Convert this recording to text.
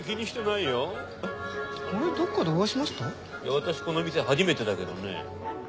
いや私この店初めてだけどね。